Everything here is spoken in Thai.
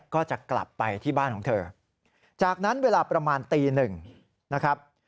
ก็จะกลับไปที่บ้านของเธอจากนั้นเวลาประมาณตีหนึ่งนะครับ